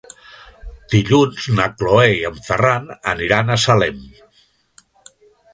Dilluns na Cloè i en Ferran aniran a Salem.